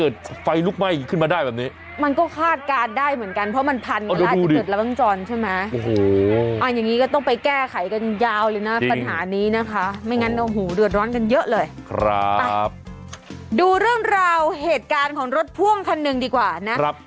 ดูเรื่องราวเหตุการณ์ของรถพ่วงคันหนึ่งดีกว่านะครับ